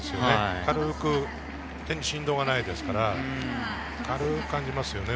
軽く、手に振動がないですから、軽く感じますよね。